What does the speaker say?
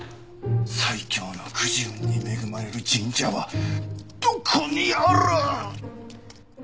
最強のくじ運に恵まれる神社はどこにある！？